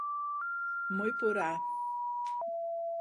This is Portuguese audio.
Moiporá